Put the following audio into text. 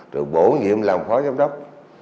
rồi bổ nhiệm làm phó giám đốc